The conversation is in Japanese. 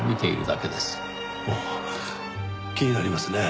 ああ気になりますね。